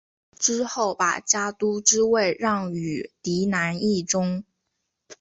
之后把家督之位让与嫡男义忠。